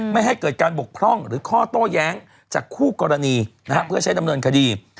ไม่ให้เกิดการบกพร่องหรือข้อโต้แย้งจากคู่กรณีเพื่อใช้ดำเนินคดี